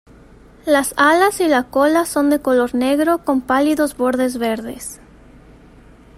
Las alas y la cola son de color negro con pálidos bordes verdes.